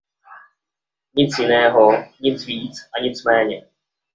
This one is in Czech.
Nic jiného, nic víc a nic méně.